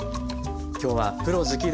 今日は「プロ直伝！」